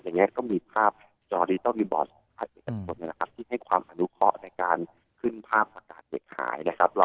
อย่างเงี้ยก็มีภาพจอดิจิทัลบอร์ดที่ให้ความอนุเคราะห์ในการขึ้นภาพประกาศเด็กหายนะครับ